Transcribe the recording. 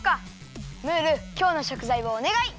ムール今日のしょくざいをおねがい！